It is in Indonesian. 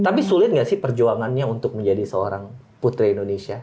tapi sulit nggak sih perjuangannya untuk menjadi seorang putri indonesia